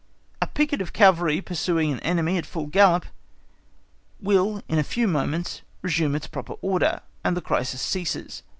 A picket of cavalry pursuing an enemy at full gallop will in a few minutes resume its proper order, and the crisis ceases.